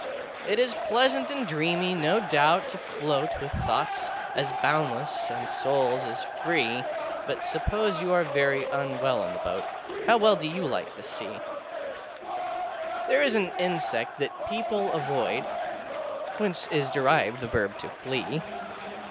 It is pleasant and dreamy, no doubt, to float With ŌĆśthoughts as boundless, and souls as freeŌĆÖ: But, suppose you are very unwell in the boat, How do you like the Sea? [Picture: And this was by the sea] There is an insect that people avoid (Whence is derived the verb ŌĆśto fleeŌĆÖ).